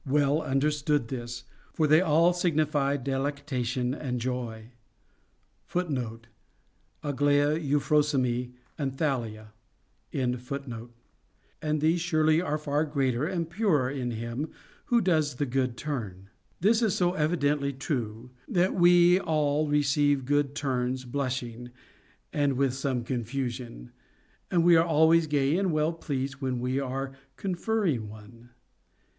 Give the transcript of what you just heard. Jj75 understood this, for they all signify delectation and joy * and these surely are far greater and purer in him who does the good turn. This is so evidently true, that we all re ceive good turns blushing and with some confusion, but we are always gay and well pleased when we are conferring one.